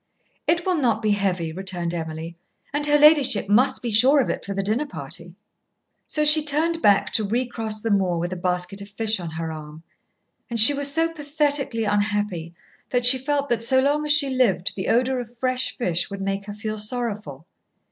"It will not be heavy," returned Emily; "and her ladyship must be sure of it for the dinner party." So she turned back to recross the moor with a basket of fish on her arm. And she was so pathetically unhappy that she felt that so long as she lived the odour of fresh fish would make her feel sorrowful.